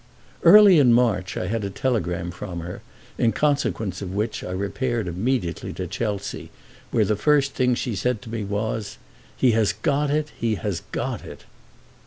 Early in March I had a telegram from her, in consequence of which I repaired immediately to Chelsea, where the first thing she said to me was: "He has got it, he has got it!"